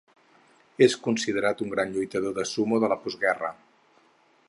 És considerat un gran lluitador de sumo de la postguerra.